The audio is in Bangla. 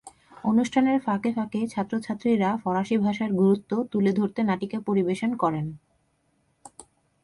অনুষ্ঠানের ফাঁকে ফাঁকে ছাত্র-ছাত্রীরা ফরাসি ভাষার গুরুত্ব তুলে ধরতে নাটিকা পরিবেশন করেন।